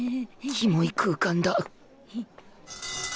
キモい空間だ